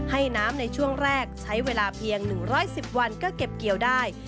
ให้น้ำในช่วงแรกใช้เวลาเพียง๑๑๐วันก็เก็บเกี่ยวได้